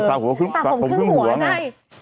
ตักผมขึ้นหัวใช่